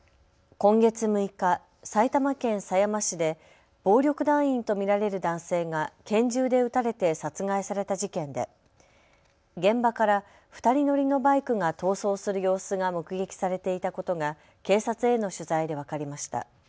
今月６日、埼玉県狭山市で暴力団員と見られる男性が拳銃で撃たれて殺害された事件で現場から２人乗りのバイクが逃走する様子が目撃されていたことが警察への取材で分かりました。